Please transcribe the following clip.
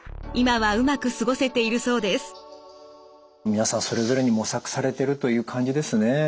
皆さんそれぞれに模索されてるという感じですね。